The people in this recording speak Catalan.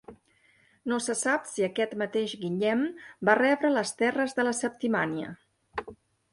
No se sap si aquest mateix Guillem va rebre les terres de la Septimània.